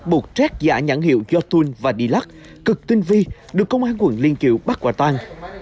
bộ trét giả nhãn hiệu jotun và dilac cực tinh vi được công an quận liên triệu bắt quả toàn